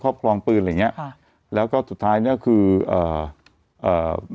ครองปืนอะไรอย่างเงี้ยค่ะแล้วก็สุดท้ายเนี้ยคือเอ่อเอ่อ